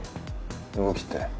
「動きって」